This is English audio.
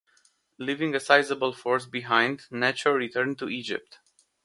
Leaving a sizable force behind, Necho returned to Egypt.